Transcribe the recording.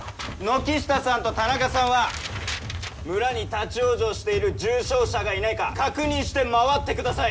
軒下さんと田中さんは村に立ち往生している重症者がいないか確認して回ってください。